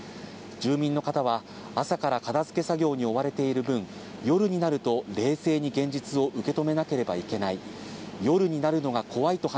住民の方は、朝から片づけ作業に追われている分、夜になると冷静に現実を受け止めなければいけない。